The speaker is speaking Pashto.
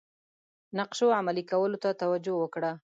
نقشو عملي کولو ته توجه وکړه.